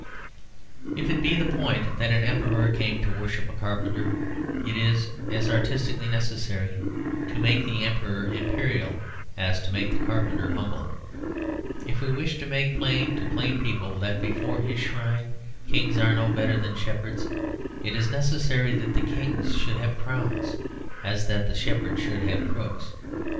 If it be the point that an emperor came to worship a carpenter, it is as artistically necessary to make the emperor imperial as to make the carpenter humble; if we wish to make plain to plain people that before this shrine kings are no better than shepherds, it is as necessary that the kings should have crowns as that the shepherds should have crooks.